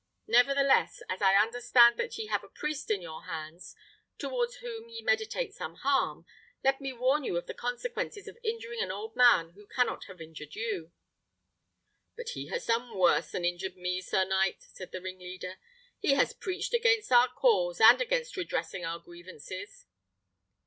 Nevertheless, as I understand that ye have a priest in your hands, towards whom ye meditate some harm, let me warn you of the consequences of injuring an old man who cannot have injured you." "But he has done worse than injured me, sir knight," said the ringleader; "he has preached against our cause, and against redressing our grievances."